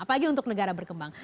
apalagi untuk negara berkembang